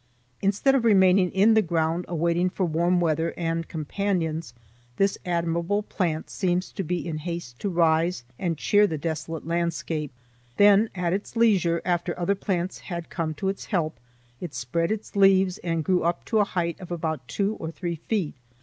Instead of remaining in the ground waiting for warm weather and companions, this admirable plant seemed to be in haste to rise and cheer the desolate landscape. Then at its leisure, after other plants had come to its help, it spread its leaves and grew up to a height of about two or three feet.